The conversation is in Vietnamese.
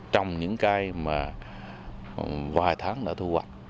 trồng những cây mà vài tháng đã thu hoạch